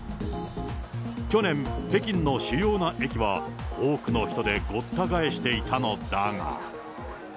去年、北京の主要な駅は多くの人でごった返していたのだが。